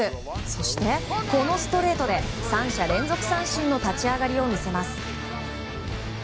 そして、このストレートで３者連続三振の立ち上がりを見せます。